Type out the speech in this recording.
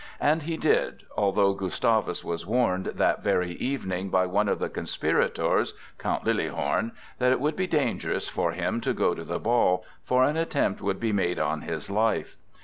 And he did, although Gustavus was warned that very evening by one of the conspirators (Count Liliehorn) that it would be dangerous for him to go to the ball, for an attempt would be made on his life.